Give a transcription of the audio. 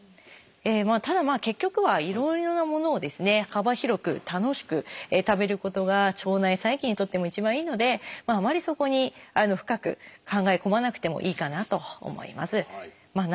ただまあ結局はいろいろなものを幅広く楽しく食べることが腸内細菌にとっても一番いいのであまりそこに深く考え込まなくてもいいかなと思います。